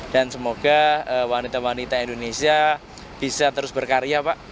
dan semoga wanita wanita indonesia bisa terus berkarya pak